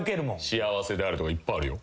『幸せであれ』とかいっぱいあるよ。